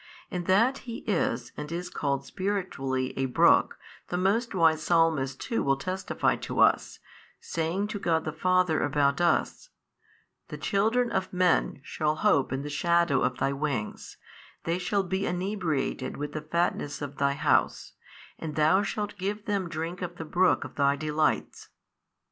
And that He is and is called spiritually a Brook, the most wise Psalmist too will testify to us, saying to God the Father about us, The children of men shall hope in the shadow of Thy wings: they shall be inebriated with the fatness of Thy House, and Thou shalt give them drink of the Brook of Thy delights.